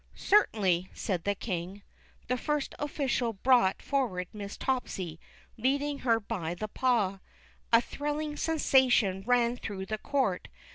Certainly," said the King. The First Official brought forward Miss Topsy, lead ing her by the paw. A thrilling sensation ran through the court.